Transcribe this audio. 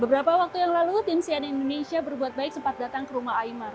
beberapa waktu yang lalu tim sian indonesia berbuat baik sempat datang ke rumah imar